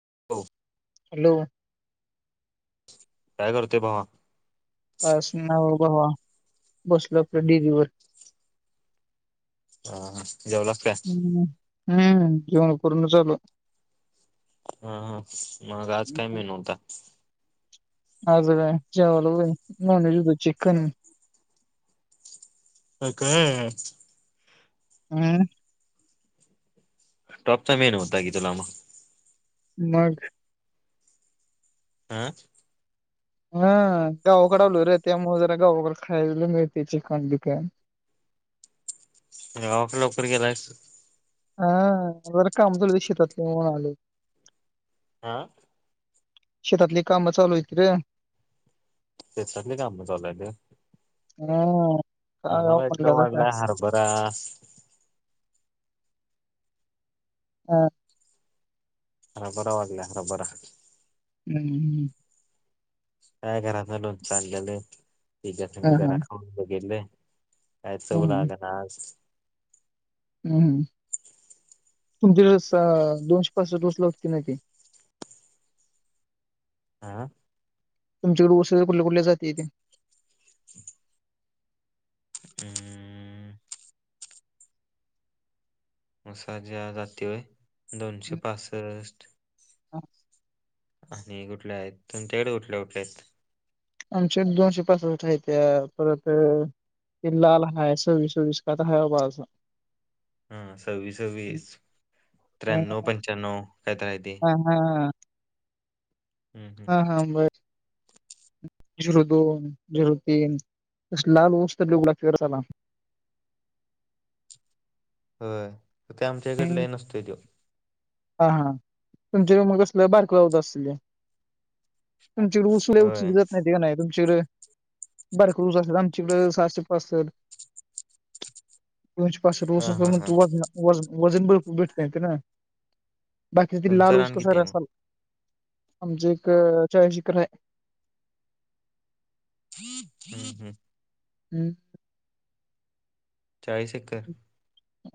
[unintelligible] Hello! काय करतोय भावा? खास नाय भावा बसलोय आपलं डेअरी वर. हां जेवलास? काय हम्म हम्म जेवन करुनच आलो. हां हां मग आज काय मेनु होता? आजं होय जेवायला होय नॉनव्हेज होत चिकन. अं काय? हम्म. टॉपचा मेनु होता की तुला म. मग? आं हां गावाकड आलोय रे त्यामुळ जरा गावाकड खायला मिळतय चिकन-बिकन. गावाकड लवकर गेलायस. हां जरा काम चालुय शेतातली म्हणून आलोय. आ शेतातली कामं चालू हायती रे. त्याच्यातली काम चालू आहे वय. हा काय यावं आम्हाला म्हणलं इकडं आता काय वाढलं हरभरा. हा. हरभरा वाढलाय हरभरा. हम्म हम्म. काय घरातन लोणच आणलेले त्याज्या हा संग हा जरा खाऊन बघितलं. काय चव हम्म लागणा आज हम्, तुमचे स दोनशे पासष्ठ डोसला होत नाही की हां, तुमच्याकडे वशिलेल्या कुठल्या-कुठल्या जाती येते [inaudible] अं, मसाज्या जातीय व्हय, दोनशे पासष्ट. आ हं, आणि कुठल्या आहेत, तुमच्याकडे कुठल्या-कुठल्या आहेत. आमचे दोनशे पासष्ट आहे त्या परत अं ते लाल हाय सव्वीस-सव्वीस काय तर हाय बघा असा हा सव्वीस-सव्वीस, त्र्याण्णव, हा पंच्याण्णव काय तर आहे ते. हा, हम्म हम्म. हा-हा बरं. झीरू दोन, झिरू तीन तस लाल होस तर उघडा फिरत आला. होय त ते आमच्या हिच्यात लैय नसतोय त्यो. हा-हा तुमच्या इकड मग कसलं बारक आसलंया होय तुमचकडं [unintelligible] ते नाही तुमच्या इडं बारकूसच आमच्याकडं सहाशे पासष्ट [inaudible] दोनशे पासष्ट हा हा हा व वजना-वजन भरपूर घेत नाहीत ना. बाकी तिकडं तुमचं लाल ऊस रान किती कसार आहे मग असाल आमचे एक चाळीस एकर आहे. [inaudible] हम्म, चाळीस एकर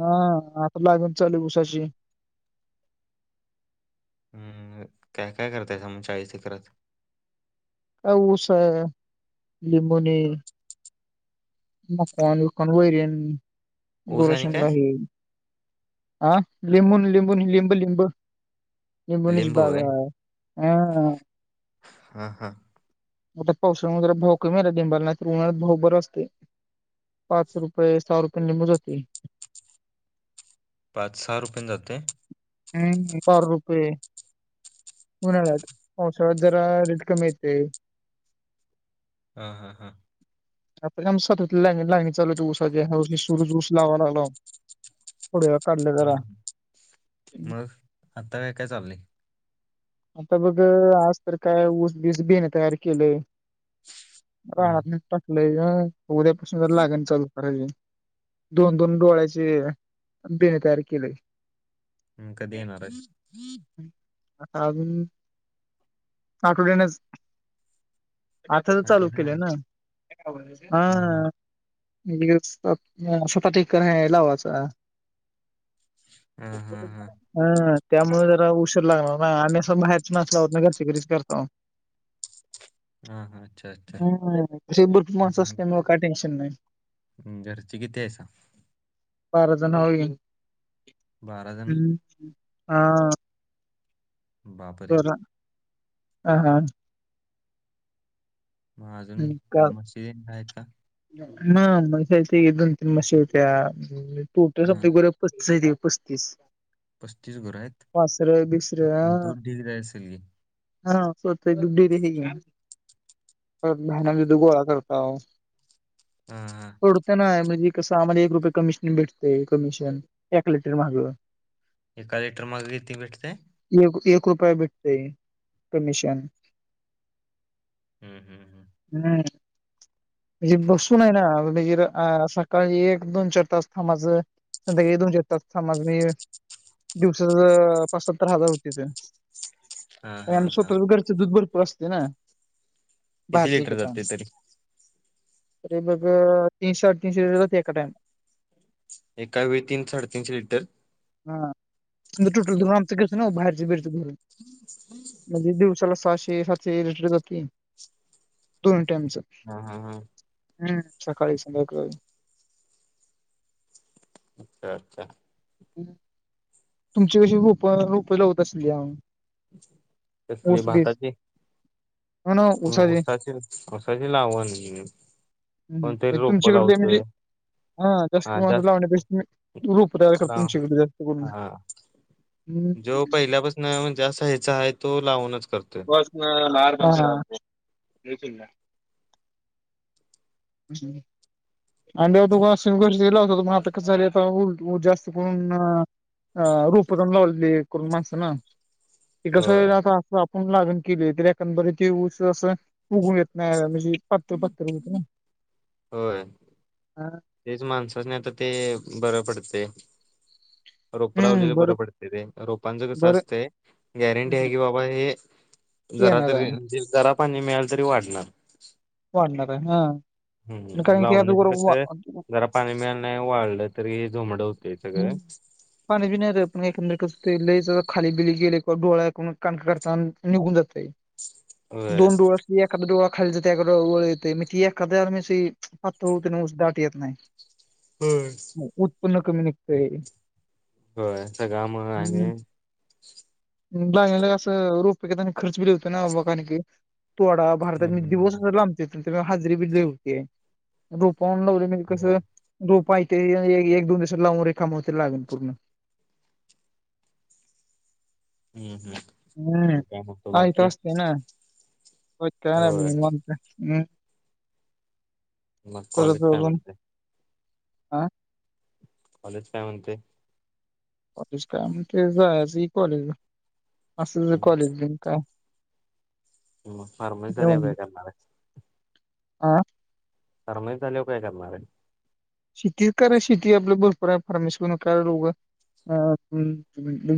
हा आता लागन चालू ये उसाची. हम्म, काय-काय करताय तुम्ही चाळीस एकरात? अं उस, लिंबोनी मग काय आणि मोकार वैर येन् [unintelligible] ऊस आणि काय गोशाळेला आहे. हा लिंबून-लिंबून लिंब-लिंब लिंबू व्हयं हा हा-हा, उलट आता पावसाळमध्ये भाव कमी आहे ना, लिबुंलना नाहीतर उन्हाळ्यात भाव बर असते. पाच रुपये, सहा रुपयेन लिबू जाती. पाच, सहा रुपयेन जातोय? हम्-हम, बारा रुपये उन्हाळ्यात पावसाळय़ात जरा रेट कमी येते. हा-हा-हा. आपल्या ऊसात लागणी-लागणी चालु होते उस ही सुरूज ऊस लावा लागला. खुडाया काढला जरा. हम्म मग आता काय-काय चालले. आता बघ आज तर काय ऊस बीस बीयान तयार केलंय. हम्म रानात मीठ टाकलं ना, उद्यापासून जरा लागण चालू करायची. दोन-दोन डोळ्याचे बियाणे तयार केले. हम् कधी येणार आहे? अजून, आठवड्यानेच. आता तर चालू आठवड्याने केले ना [inaudible] हा. [unintelligible] हा हा हा [unintelligible] हा त्यामुळे जरा उशीर लागणार. हा आणि असं माहित नसलावर घरच्या घरीच करताव. हा हा अच्छा अच्छा हा अशी भरपूर माणस हम्म. असल्यामुळे काय टेन्शन नाय. घरची किती आहेसा. बाराजण होईल बारा जण हम्म हा. बापरे तर अ हा. मग अजून म्हशी आहेत का. म येत दोन तीन म्हशी होत्या. हा [unintelligible] [unintelligible] दे पस्तीस. पस्तीस घर आहेत वासर म बिसर दूध देरी असलली. हा स्वतःची दूध देरी बी हे. तर घाना बी दोघ गोळा करताव. हा. सोडतं ना म्हणजे कसं आम्हाला एक रुपये कमिशन भेटते कमिशन एक लिटर माग. एका लिटर मग किती भेटतेय. एक एक रुपये भेटते कमिशन. हम्म- हम्म - हम्म. नाही म्हणजे बसून हे ना. [unintelligible] आ सकाळी एक दोन चार तास थांबायच संध्याकाळी दोन चार तास थांबायच. दिवसाच पाचसत्तर हजार होतेत. हा हा आमचं हा स्वतःच घरच दूध भरपूर असते ना. किती बाहेरचे लिटर घेताव जाते तरी तरी बघ तीनशे अडेतीनशे होते एका टाईमाला. एका वेळी तीन साडेतीनशे लिटर. हा म्हणजे टोटल धरून आमचं घरच ना बाहेरचबीयेच धरून. हम्म हम्म. म्हणजे दिवसाला सहाशे सातशे लिटर जाते दोन टाईमच. हा - हा - हा. हम्म सकाळी सगळं कळलं. अच्छा अच्छा. तुमची कशी रोप रोप लावत असली जाम. कसली भाताची हो ना म ऊसाचे उसाची. उसाची लावा की हम्म. कोण तरी म्हणजे रोप तुमच्याकडले म्हणजे लावतय. हा जास्त [unintelligible] लावण्यापेक्षा मी रोप तयार करतो [unintelligible] लाव तुमचीकडे जास्त करून. हा ह् नाही म ज्या साईझचा आहे तो लावूनच करतो. बस मार्दशन [unintelligible] हम्म. अंड्यावर तुम्हाला [unintelligible] होतो पण आता कस झालाय वैरला होता त मग [unintelligible] आता जास्त करून आ. आ रोप कमी लावलेली करून माणसंना. ते कस होईल होय आता आपण लागण केली तरी एखनबरी ते ऊस असं उगू येत. नाही म्हणजे पातळ पातळ येत ना. होय. हा. तेच माणसं नाही तर, ते बरं पडते. रोप हम्म लावलेलं बर बरं पडते ते. रोपांचं कसं बर असतंय? गॅरंटी आहे की बाबा हे जरा येणार आहे तरी जरा पाणी मिळेल तरी वाढणार. वाढणार आहे. हं. हम्म, लावणीच कस आहे? जरा पाणी मिळाल नाही, वाढलं तरी हे झोमडं होते सगळं. पाणी बी नाही देत. मी एकांत वेळा कसं लईच खाली बिली गेले, किंवा डोळ्या काणका काढताना निघून जातय. होय दोन डोळ्या अस एखादा डोळा खालीे [unintelligible] ओळ येते. मी ते एखाद्या म [unintelligible] ऊस दाट येत नाही. होय. उत्पन्न कमी निघतंय. होय. सगळा मग आम्ही बांडीला कसं? रोप घेतांना खर्च बी येतो ना, [unintelligible] तोडा [unintelligible] मी हम्म दिवसभर लांबते ते. हजरी बि लयं होतीय. रोपवून आणून लावले म्हणजे कसं होय. रोप आहे ते, एक दोन दिवसात लावून रिकामं होते लागन पूर्ण. हम्म हम्म. हम्म मग काय म्हणतो माहित बाकी असते ना, [inaudible] मग काय होय निवांत. हम्म. मग कॉलेज काय [unintelligible] म्हणते आ. कॉलेज काय म्हणतंय? कॉलेज काय म्हणते. जायचं कि कॉलेज ला. असं हम्म. कॉलेज दे काय? हम्म, [unintelligible] काढायचे त्यांना रे. आ. फर्माईश आल्यावर काय करणारे? शेती करा शेती, आपलं भरपूर आहे फार्मेसी करून काय रोगये? आ हम.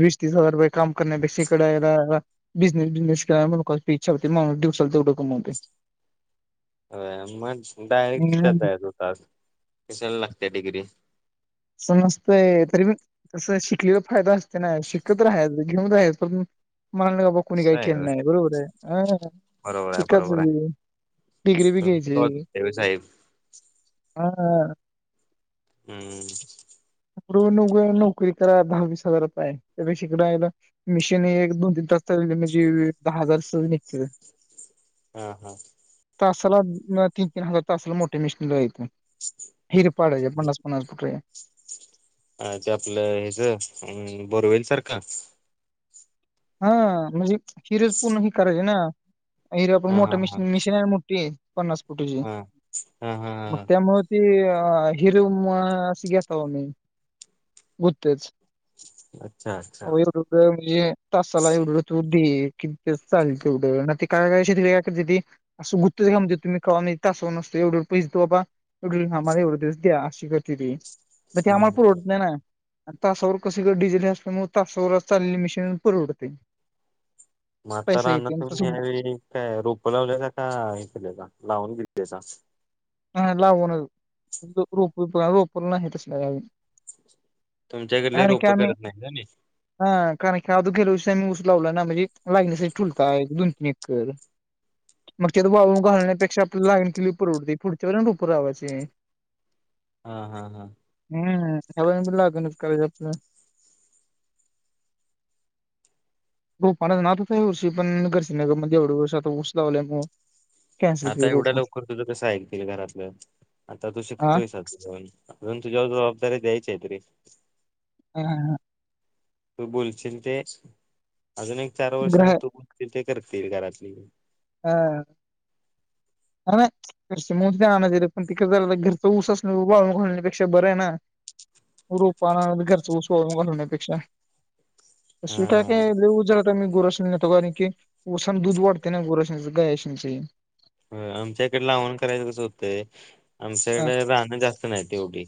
वीस तीस हजार रुपये काम करण्यापेक्षा इकडे आहे [unintelligible] बिझनेस बिजनेस [unintelligible] इच्छा होते. माणूस दिवसाला तेवढं कमावते. होय. मग डायरेक्ट करता येत होतास. कशाला लागते डिग्री? असं नसतंय. तरी मी तस शिकलेला फायदा असते ना. शिकत राहाचं घेऊन [unintelligible] मग कुणी असं काही आहे होय केलं नाही. बरोबर आहे, अ बरोबर आहे शिकायचं बरोबर आहे उलट डिग्री बी तुमच घ्यायची. ठेवी साहेब [inaudible] हा. हम्म. [unintelligible] नोकरी करा, दहा, वीस हजार रुपये. त्यापेक्षा इकडं आहे ना. मिशीन एक, दोन, तीन तास चालवले, म्हणजे दहा हजार सहज भेटते. हा हा. तासाला तीन, तीन हजार तासाला मोठे मिशीन राहिल. [inaudible] हिर पाडायच्या पन्नास पन्नास फुट अं ते आपलं हेच अं बोरवेल सारखा हा म्हणजे फिरज पूर्ण ह करायचेे ना हिर आपण हा मोठ हा हा शी मिशीनच मोठीये पन्नास फुटाची. हा हा हा मग हा त्यामु ती हिर अस घेत हो मी. [unintelligible] अच्छा [inaudible] अच्छा वय वृद्ध म्हणजे तासाला एवढं तू दे की, ते चालेल तेवढं. ना ते काय काय अशी रिऍक्ट होता की असं [unintelligible] एवढे एवढे पैसे दे बाबा [unintelligible] म ते आम्हाला हम्म पुरवडत नाही ना. तासावर कस गं डिझेल म तासावरच चाललेली मशीन परवडते. म आता पैसा रानात येते आणि तुम्ही तसं यावेळी काय रोपं लावलेसका का हे केले लावून घेतल्यासा? हा लावूनच रोप बीप रोप नाही तसल्या आम्ही. तुमच्याक लई रोपं करत नाही. [inaudible] हा कारण खळाधू गेलोय मी ऊस लावला ना म्हणजे. लागण्यासाठी टुलता एक दोन तीन खरं, मग त्यात वाळून घालण्यापेक्षा आपल्या लागण केलेली परवडते. पुढची त्यावरून रोप लावायचे हेने. हां हां हां. हं. ह्या महिन्यात लागणच करायची असते ना. रोप आणायचा नादच आहे या वर्षी. पण घरची नग म्हणले एवढे वर्ष. आता ऊस लावलंय म्हण. आता एवढ्या लवकर तुझं कसं ऐकतील घरातलं? आता तू आ शिकतोय अजुन. अजून तुझ्यावर जबाबदऱ्या द्यायचयत रे. हं हं हं. तू बोलशील ते, अजून एक चार वर्षाने ग्रह तू बोलशील ते करतील घरातली. हा अर नही. घरचे म्हणले आणायचे रे पण तिकडे झा घरचं ऊस वाळून घालण्यापेक्षा बरं आहे ना. रोपा आना घरचं उस वाळू घालण्यापेक्षा. अस काय हा काय लई ऊस जरता मी गुरसो कारण की दूध वाढते ना गुरस हं गाया शूनचे व्हय. आमच्या इकड लावन करायचं कसं होतंय? आमच्या हा इकड रानं जास्त नाही तेवढी.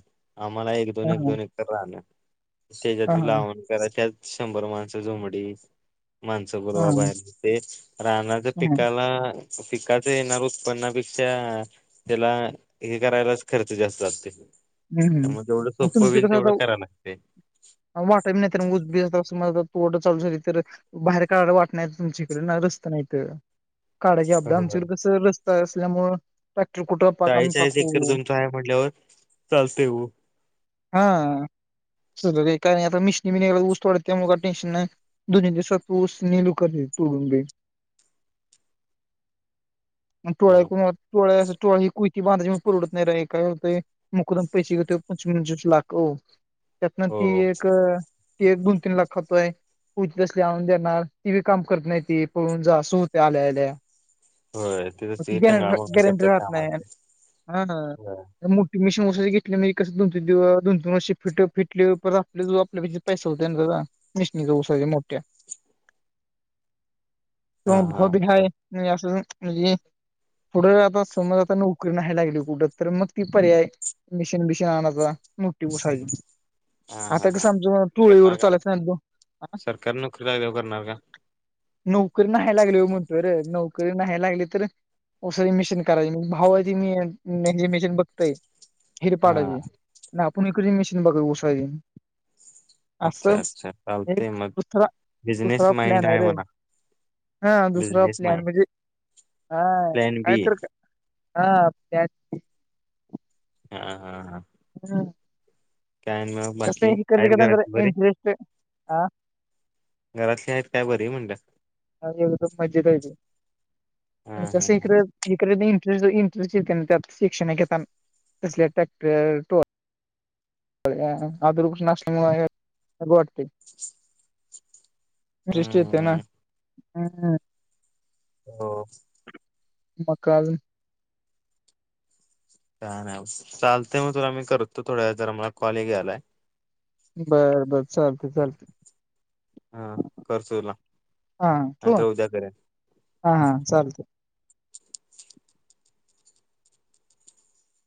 आम्हाला एक दोन हा एक हा दोन एकर रानं. त्याच्यात हा बी हा लावण करा, त्यात शंभर माणसं जुमडी. माणसं हा बोलवा बाहेरची ते. राणाच्या हा. पिकाला पिका त येणार उत्पन्नापेक्षा त्याला हे करायलाच खर्च जास्त जाते. हम्म त्यामुळ जेवढ आणि सोपं होईल तेवढं कराव लागते. वाटा नाहीत म ऊस बीस अस तोड चालू झाली तर बाहेर काढायला वाट नही तुमच्याकड ना रस्त नाहीत. काडाची अबदा आमच्याइकडं कस रस्ता असल्यामूळ ट्रॅक्टर कुठं पाक आम्ही पाकू दहा एक म्हटल्यावर चालते ओ. हां, सगळं काही का नही आता मिशनी बि ऊस तोडत्या त्यामूळ काही टेन्शन नाही. दोन एक दिसात ऊस न लू कर तोडून दे. अन टोळ्या हां, को टोळ्या अस टोळ्या ही कोयती बांधाची म परवडत नाही रे. काय होत? मुकदम पैसे घेतो पंचवीस पंचवीस लाख हो, त्यातन हो ती एक ती एक दोन- तीन लाख खातोये. कोयती त्यासले आणून देणार. ती बी काम करत नाहीती पळून जाय सुरू होत्या आल्या आल्या. होय तिथं म ती ते गर टंगळा मंगळा गॅरंटी करतात राहत नाही. कामाचे. हा ना. ते मु त मीशन घेतले म्ही कसं दोन तीन व दोन तीन वर्ष फट फिटले पर आप आपल्या पैसा होतते ना त्याचा. माशनीच्या उसाच्या मोठ्या. किंवा हा भाव बी हा. हाय, नाही अस नाही. म्हणजे पुढं आता समज आता नोकरी नाही लागली कुठं, तर मग ती पर्याय मिशीन बीशीन आणायचा मोठी उसाची. हा हा आता कस हा आमचं टोळीवर करणार का चालायचं नाही. तो सरकारी नोकरी लागल्यावर करणार का? नोकरी नाही लागल्यावर म्हणतो र. नोकरी नाही लागली तर [unintelligible] मशीन बघतय. हेिरे हा पाडायचे ना आपण एक मेशीन बाघर उसाळयन अच्छा अच्छा अससएक चालतंय मग दुसरा बिझनेस दुसरा माइंड प्लॅन आहे रे. म्हणा हा दुसरा बिझनेस प्लॅन माइंड म्हणजे हा प्लॅन काय बी तर का? हा त्या हा हा हा. हम्, [unintelligible] कस आहेत घरातली बरी हे [unintelligible] घरातल्या आहेत काय बरी म्हणतात. ह एकदम मज्जेत राहिली हा पण हा कस हा इकडे. इकडे इंटरेट. इंटरेस्ट येते शिक्षण घेत टॅक्टर आता रुपस न असल्या नको वाटते. सृष्टी येत ना. हम्म हम्. हो. मग काल. का नाही चालतय मग तुला मी करतो थोड्या जरा मला कॉले घ्यायलाय. बर बर चालते चालते. हा कर तुला हा ठेवू. नाहीतर उद्या करेन हा हा चालत.